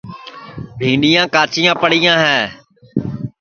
بھینٚڈؔیا کاچیاں پڑیاں ہے